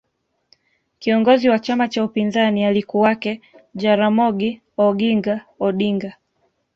kiongozi wa chama cha upinzani alikuwake jaramogi oginga Odinga